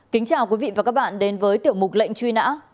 kính chào quý vị và các bạn đến với tiểu mục lệnh truy nã